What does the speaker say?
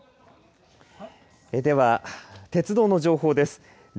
では、鉄道の情報です。